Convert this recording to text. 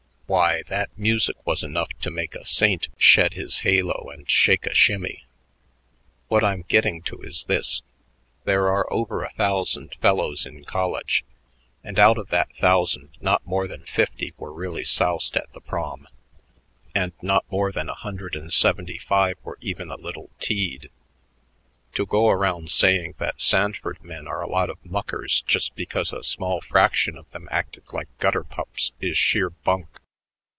Why, that music was enough to make a saint shed his halo and shake a shimmy. "What I'm getting to is this: there are over a thousand fellows in college, and out of that thousand not more than fifty were really soused at the Prom, and not more than a hundred and seventy five were even a little teed. To go around saying that Sanford men are a lot of muckers just because a small fraction of them acted like gutter pups is sheer bunk.